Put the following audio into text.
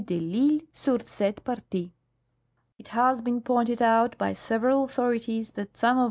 de I'Isle sur cette partie."* It has been pointed out by several authorities that some of M.